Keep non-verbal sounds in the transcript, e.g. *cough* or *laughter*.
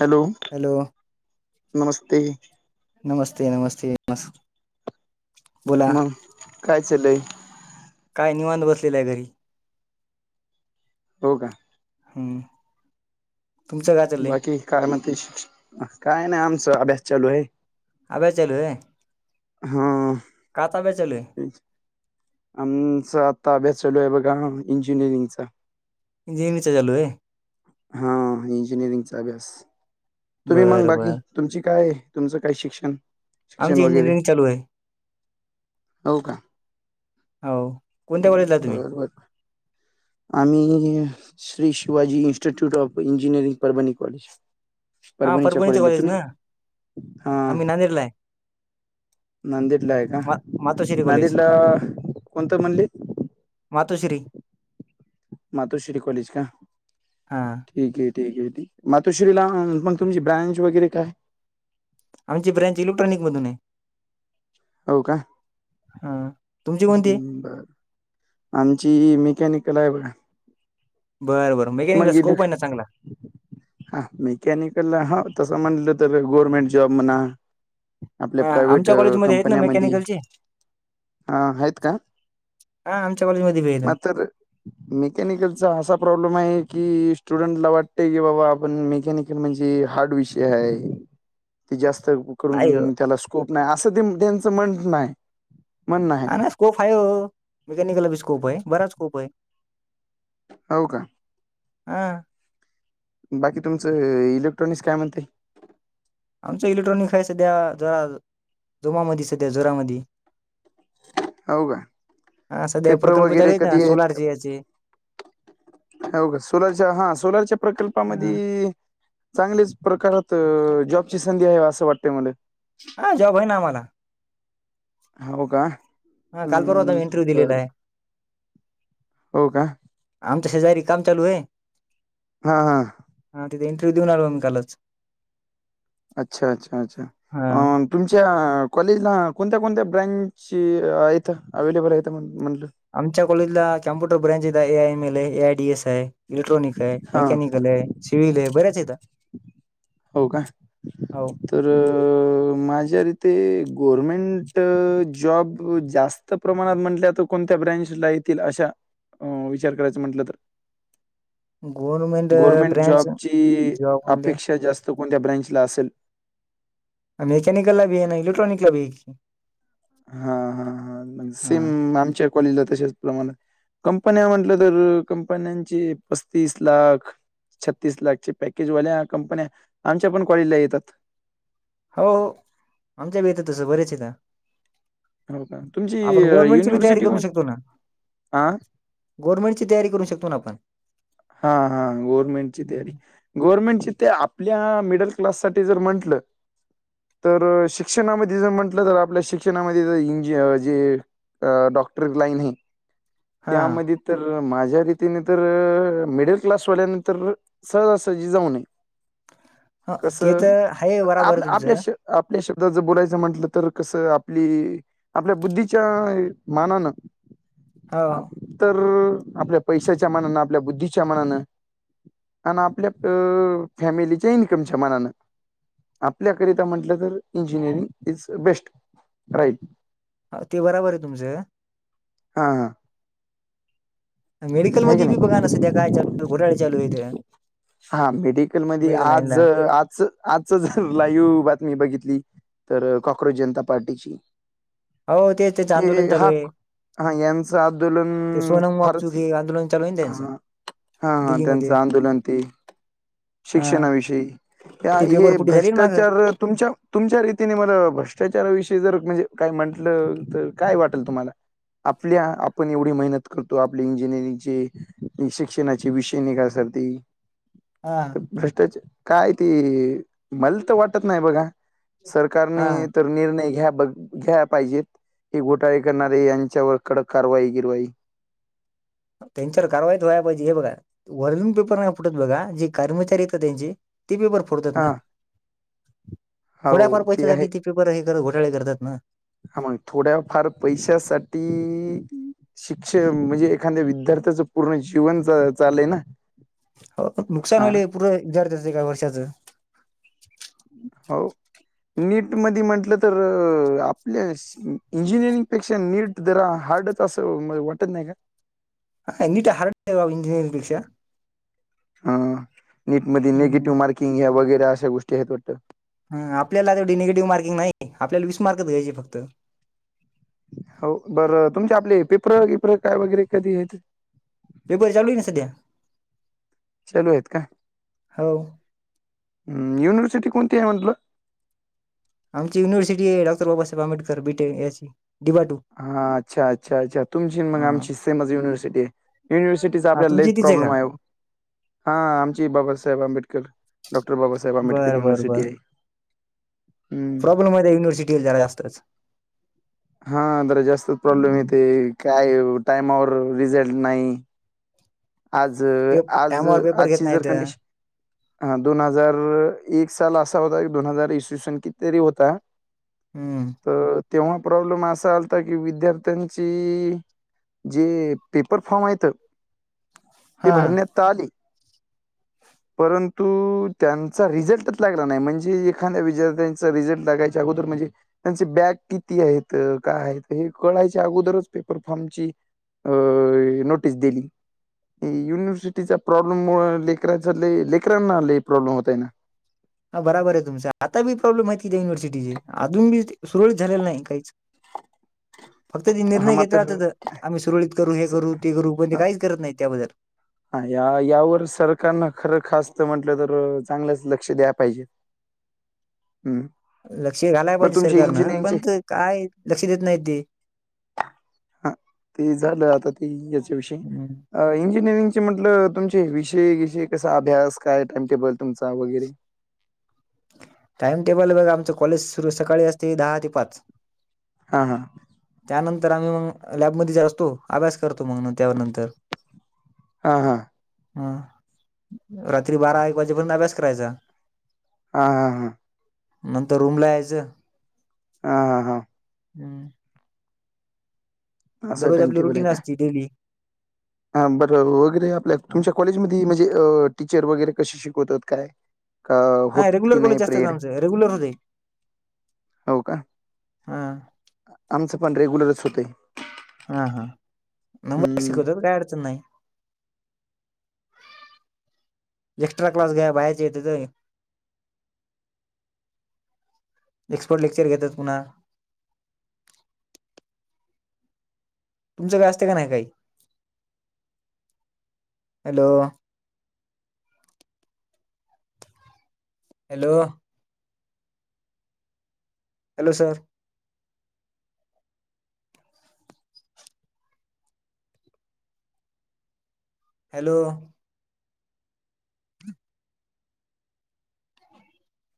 Hello. Hello. नमस्ते. नमस्ते नमस्ते नमस मग, काय चललय? काय निवांत बसलेला आहे घरी. हो का? हम्म. तुमचं काय चाललंय बाकी काय म्हणती, काय नाही आमच अभ्यास चालू आहे. अभ्यास चालू हाय? हां. का चा अभ्यास चालू आहे? ते. आमच आता अभ्यास चालू आहे बघा इंजिनिअरिंगचा. इंजिनीरिंगचा चालू आहे? हा इंजिनिअरिंगचा अभ्यास, तुम्ही मंग बरं बाकी? बरं तुमची काय तुमचं काय शिक्षण, शिक्षण आमची वगैरे? इंजिनिअरिंग चालू आहे हो का? हाव. बर बर, आम्ही Shri Shivaji institute of engineering Parbhani college. हां परभणीच्या परभणीचं कॉलेजला तुम्ही, हा. आरेलाय. नांदेडला आहे का मा मातोश्री कॉलेज नांदेडला कोणतं मंदिर? मातोश्री मातोश्री कॉलेज का? हां ठीक आहे ठीक आहे ठी, मातोश्रीला मग तुमची ब्रँच वगैरे काय? आमची ब्रँच इलेक्ट्रॉनिक मधून आहे. हो का? हा. हम बर, आमची मिकॅनिकल आहे बघा. बरं बर मेकॅनिकला स्कोप आहे ना चांगला? हा मेकॅनिकल हा तसं म्हणलं तर गव्हर्मेंट जॉब म्हणा. आपल्या हां प्रायव्हेट आमच्या कॉलेजमध्ये आहेत ना कंपन्यामधी. मेकॅनिकलचे हा आहेत का? हां आमच्या कॉलेजमध्ये बी आहेत म्हातारं. मेकॅनिकलचा असा प्रॉब्लेम आहे की, स्टुडंटला वाटते की, बाबा आपण मेकनिक म्हणजे हार्ड विषय आहे. ते जास्त नाही करून त्याला स्कोप नाही, असं ते त्यांचं म्हणत नाय. ना नाही स्कोप आहे ओ. मेकॅनिकल बी स्कोप आहे. बराच स्कोप आहे. हो का? हा. बाकी तुमचं इलेक्ट्रॉनिक्स काय म्हणताय? आमचं इलेक्ट्रॉनिक आहे सध्या जोरा जोमामधी सध्या जोरामधी. हवं का? हा सध्या हे पेपर प्रकल्प चालू वगैरे ना कधी आहेत? सोलारचे याचे हो का, सोलारच्या हा सोलारच्या प्रकल्पामधी हा चांगलीच प्रकारात जॉबची संधी आहे, असं वाटतय मले. हा जॉब आहे ना मला. हो का? हा काल परवा आम्ही हम्म, इंटरव्ह्यू दिलेला बरं. आहे आमच्या शेजारी काम चालूय. हा हा. ह तिथ इंटरव्यू देऊन आलो मी कालच. अच्छा, अच्छा, अच्छा. हा अ तुमच्या कॉलेजला कोणत्या कोणत्या ब्रँच आहेत, अवेलेबल आहेत म्हटले? आमच्या कॉलेजला कॉम्प्युटर ब्रँच आहे, ए आय म एल आहे, ए आय डी एस आहे. इलेक्ट्रॉनिक आहे, हां मेकॅनिकल आहे, सिव्हल आहे, बऱ्याच आहेेत्या. हो काय? तर माझ्यारीते गव्हर्मेंट जॉब जास्त प्रमाणात म्हटलं तर कोणत्या ब्रँच ला येतील? अशा विचार करायच म्हटलं तर *inaudible* गव्हर्नमेंट गव्हर्मेंट ब्रँच जॉबची जॉब म्हणजे अपेक्षा जास्त कोणत्या ब्रांचला असेल? आ मेकनिकलला *unintelligible* इलेक्ट्रॉनिकला बी *unintelligible* हा हा हा, सेम आमच्या कॉलेजला तशच प्रमाणात कंपन्या म्हटलं तर, कंपन्यांची पस्तीस लाख छत्तीस लाख पॅकेजवाल्या कंपन्या आमच्या पण कॉलेजला येतात. हो आमच्यात बी येतात तसं बरेच येता. हो का? तुमची आपण अ, गव्हर्मेंट बी तयारी युनिव्हर्सिटी कोण करू शकतो ना. हां, गव्हर्मेंट तयारी करू शकतो ना आपण. हा हा गव्हर्मेंट तयारी हम्म. गव्हर्नमेंटची ते आपल्या मिडल क्लाससाठी जर म्हंटलं तर शिक्षणामध्ये जर म्हंटलं, तर आपल्या शिक्षणामध्ये ज इंजि जे अ डॉक्टर लाईन हे हा त्यामध्ये तर माझ्या रीतीने तर मिडल क्लासवाल्यानी तर सहजासहजी जाऊ नये. हा कस ते तर आहे बराबर आहे आपल्या आपल्या तुमचं श आपल्या शब्दात जर बोलायचं म्हंटलं तर कसं आपली आपल्या बुद्धीच्या मानानं हा. तर आपल्या पैशाच्या मानानं, आपल्या बुद्धीच्या मानानं आणि आपल्या फॅमिलीच्या इन्कमच्या मानानं आपल्याकरिता म्हटलं तर, इंजिनिअरिंग इज बेस्ट राईट. ते बराबर आहे तुमच. हा हा. मेडिकल आहे की मध्ये बी नाही बघाना सध्या काय चालू घोटाळ चालू आहे ते. हा मेडिकलमधी मेडिकल आज लाईनला आज आजच लाईव्ह बातमी बघितली तर कॉक्रोज जनता पार्टीची. हो ते त्याचं आंदोलन हे चालू आहे हाक हा यांचा आंदोलन ते सोनम हा वाकचूक हे आंदोलन चालू आहे ना त्यांचं हा दिल्लीमध्ये त्याचा आंदोलन ते हा शिक्षणाविषयी या ते पेपर हे फुटी झाली ना माग भ्रष्टाचार तुमच्या तुमच्या रीतीने मग भ्रष्टाचाराविषयी जर म्हणजे काय म्हंटलं तर काय वाटेल तुम्हाला? आपल्या आपण एवढी मेहनत करतो आपली इंजिनिअरिंगची शिक्षणाची विषय निघासाठी. हा. तर भ्रष्टाचार काय ते मला तर वाटत नाही बघा सरकारने हा तर निर्णय घ्या बघ घ्या पाहिजेत हे घोटाळे करणारे यांच्यावर कडक कारवाई गिरवाई. त्यांच्यावर कारवाई तर व्हाय पाहिजे हे बघा. वरून पेपर नाही फुटत बघा जे कर्मचारी येत ना त्यांची ते पेपर फोडतात हा ना. थोड्याफार हो ते आहे पैश्यासाठी ती पेपर हे कर घोटाळे करतात ना. हा मग थोड्या फार पैशासाठी शिक्षण म्हणजे एखाद्या विद्यार्थ्याचं पूर्ण जीवन चा चालय ना. हो नुकसान हा होईलय पूर्र विद्यार्थ्याच एका वर्षाचं. हो नीट मधी म्हंटलं तर आपल्या इंजिनिअरिंग पेक्षा नीट जरा हार्ड असं वाटत नाही का? हा नीट हार्ड *unintelligible* इंजिरींग परीक्षा. हा नेट मध्ये हम्म. निगेटिव्ह मार्किंग या वगैरे अशा गोष्टी आहेत वाटतं. हा आपल्याला तेवढी निगेटिव्ह मार्किंग नाही, आपल्याला वीस मार्कच घ्यायची फक्त. हो बरं तुमचे आपले पेपर बीपर काय वगैरे कधी येतील. पेपर चालू आहे का सध्या? चालू आहेत का हो. युनिव्हर्सिटी कोणती आहे म्हटलं. आमची युनिवर्सिटी आहे डॉक्टर बाबासाहेब आंबेडकर बीटे याची. डिबाटू हा अच्छा -अच्छा -अच्छा तुमची मग हा आमची सेमच युनिव्हर्सिटी आहे. युनिव्हर्सिटीचा हा, आपल्याला तुमची लयच तीच प्रॉब्लेम का आहे. हा आमची बाबासाहेब आंबेडकर डॉक्टर बाबासाहेब आंबेडकर बर बर युनिव्हर्सिटी बर आहे. हम्म. प्रॉब्लेम आहे त्या युनिव्हर्सिटीला जरा जास्तच. हा जरा जास्तच प्रॉब्लेम हम्म. येते काय टाईमावर रिझल्ट नाही. आज पे- आज टायमावर पेपर घेत आजची जर नाहीत कंडीशन हा दोन हजार एक साल असा होता, की दोन हजार इसवीसन किती तरी होता. हम्म. तर तेव्हा प्रॉब्लेम असा आलता की विद्यार्थ्यांची जे पेपर फॉर्म आहेत ते हा भरण्यात आले. *unintelligible* परंतु त्यांचा रिझल्टच लागला नाही. म्हणजे एखाद्या विद्यार्थ्यांचा रिझल्ट लागायच्या अगोदर म्हणजे त्यांचे बॅग किती आहेत काय आहेत हे कळायचे अगोदरच पेपर फॉमची अ नोटीस दिली. युनिव्हर्सिटीचा प्रॉब्लेम मुळे लेकराचा लेकरांना लय प्रॉब्लेम होतय ना. हा बराबर आहे तुमच. आता बी प्रॉब्लेम आहे ति युनिव्हर्सिटीचे. अजून बी सुरळीत झालेल नाही काहीच. फक्त ते हां, निर्णय घेत मात्र राहात्यात. आम्ही सुरळीत करू. हे स करू ते करू. पण ते काहीच करत नाही त्याबद्दल. हा या यावर सरकारन खर खास म्हटल तर चांगलच लक्ष द्या पाहिजे. *inaudible* हम्म लक्ष घालायला पाहिजे सरकारन. पण त काय लक्ष देत नाही ते. हा ते झाल. आता ते याच्या विषयी इंजिनिअरिंगचे म्हटल तुमचे विषय विषय कसा अभ्यास काय टाइमटेबल तुमचा वगैरे टाइम टेबल बघ आमच कॉलेज सुरू सकाळी असते दहा ते पाच. हा हा त्यानंतर आम्ही मग लॅबमध्येच असतो. अभ्यास करतो मग त्यानंतर. हा हा हा, रात्री बारा एक वाजेपर्यंत अभ्यास करायचा. हा हा हा नंतर रूमला यायच. हा हा हा हम्म हां असं दररोज आपली रुटीन असती डेली. हा बर वगैरे, आपल्या तुमच्या कॉलेजमध्ये म्हणजे टीचर वगैरे कशी शिकवतात काय. का हा होतात की रेग्युलर नाही कॉलेज असतात प्रेड आमच. रेग्युलर होतय. हा आमच पण रेग्युलरच होतय. हा हा नंबर हं. शिकवतात. काय अडचण नाही. एक्स्ट्रा क्लास घ्याया बाहेरचे येत्यात व्हय. एक्सपर्ट लेक्चर घेत्यात पुन्हा. तुमच्या कडे असत का नाही काही. Hello hello hello sir hello